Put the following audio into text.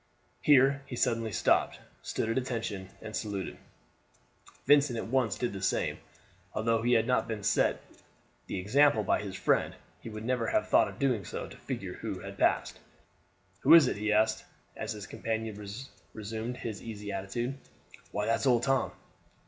Here he suddenly stopped, stood at attention, and saluted. Vincent at once did the same, although, had he not been set the example by his friend, he would never have thought of doing so to the figure who passed. "Who is it?" he asked, as his companion resumed his easy attitude. "Why, that's Old Tom."